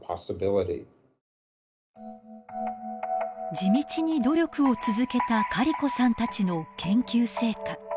地道に努力を続けたカリコさんたちの研究成果。